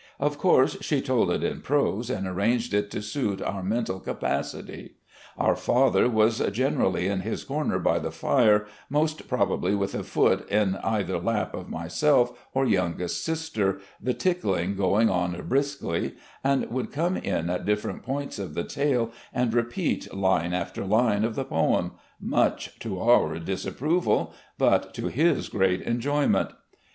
Of course, she told it in prose and arranged it to suit our mental capacity. Our father was generally in his comer by the fire, most prob ably with a foot in either the lap of myself or yoxmgest sister — ^the tickling going on briskly — ^and would come in at different points of the tale and repeat line after line of the poem — ^much to our disapproval — ^but to his great enjoyment.